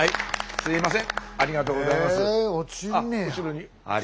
すいません。